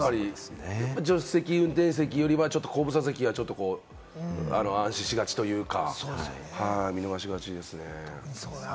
助手席、運転席よりは後部座席は安心しがちというか、見逃しがちですよね。